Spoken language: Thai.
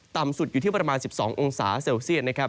ต่ำสุดอยู่ที่ประมาณ๑๒องศาเซลเซียตนะครับ